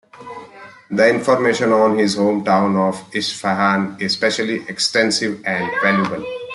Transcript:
The information on his home town of Isfahan is especially extensive and valuable.